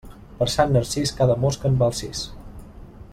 Per Sant Narcís, cada mosca en val sis.